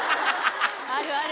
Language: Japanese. あるある。